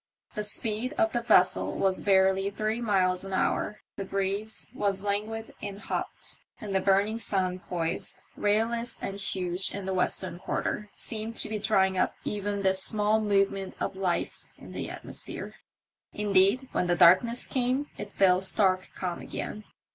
The speed of the vessel was barely three miles an hour ; the breeze was languid and hot, and the burning sun poised, rayless and huge in the western quarter, seemed to be drying up even this small movement of life in the atmosphere. Indeed, when the darkness came it fell stark calm again.